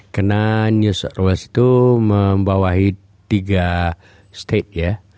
karena new south wales itu membawahi tiga state ya